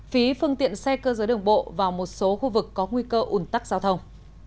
phí phương tiện xe cơ giới đường bộ vào một số khu vực có nguy cơ ủn tắc giao thông